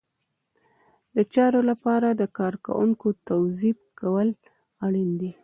د چارو لپاره د کارکوونکو توظیف کول اړین دي.